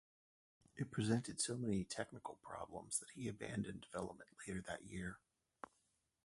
It presented so many technical problems that he abandoned development later that year.